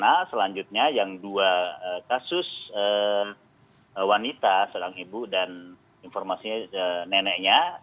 nah selanjutnya yang dua kasus wanita seorang ibu dan informasinya neneknya